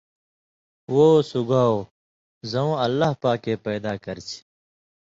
وو سُگاؤ زؤں اللہ پاکے پیدا کرچھی۔